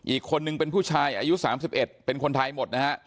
อีกคนนึงเป็นผู้ชายอายุ๓๑เป็นคนไทยหมดนะฮะ